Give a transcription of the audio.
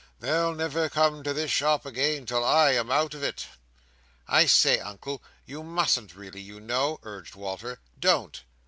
"They'll never come to this shop again, till I am out of t." "I say, Uncle! You musn't really, you know!" urged Walter. "Don't!"